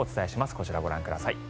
こちらをご覧ください。